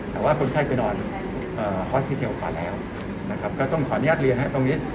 ฮอสติเทลกว่าแล้วนะครับก็ต้องขออนุญาตเรียนให้ตรงนี้